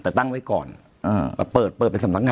แต่ตั้งไว้ก่อนเปิดเปิดเป็นสำนักงาน